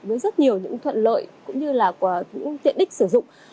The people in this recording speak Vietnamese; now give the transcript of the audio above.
với rất nhiều những thuận lợi cũng như là những tiện ích sử dụng